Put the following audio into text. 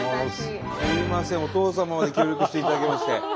すいませんお父様まで協力していただきまして。